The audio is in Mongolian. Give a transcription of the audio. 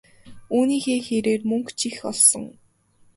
Үүнийхээ хэрээр мөнгө ч их олсон.